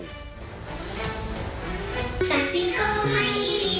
สวัสดีค่ะคุณผู้ชมต้อนรับเข้าสู่ชุวิตตีแสงหน้า